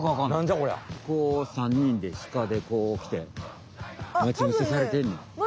こう３にんでシカでこうきて待ち伏せされてんねや。